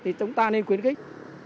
thì chúng ta nên quyến khích